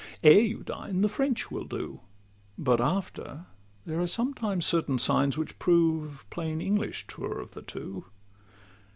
Ere you dine, the French will do; But after, there are sometimes certain signs Which prove plain English truer of the two.